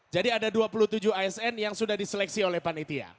jadi ada dua puluh tujuh asn yang sudah diseleksi oleh panitia